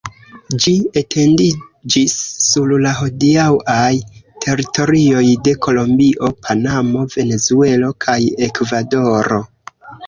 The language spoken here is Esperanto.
Ĝi etendiĝis sur la hodiaŭaj teritorioj de Kolombio, Panamo, Venezuelo kaj Ekvadoro.